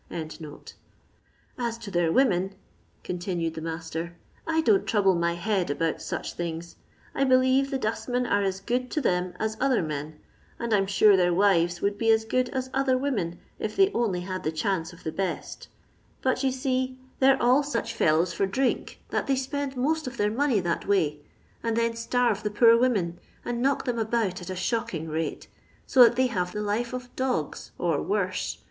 ] "As to their women, continnad the master, ^I don't trouble my head about such things. I believe the dustmen are as good tothem as other men ; and I 'm sure their wives would be as good as other women, if they only had the ehanee of the best But yon see they 're all such fellows for drink that they spend most of their money that way, and then starve the poor women, and knock tiiem about at a shooking rate, so that they have the life of dogs, or worse.